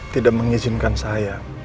tidak mengizinkan saya